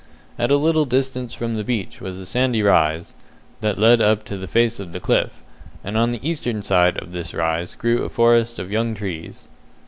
At a little distance from the beach was a sandy rise, that led up to the face of the cliff, and on the eastern side of this rise grew a forest of young trees.